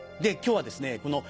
今日はですね